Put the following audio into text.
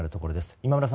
今村さん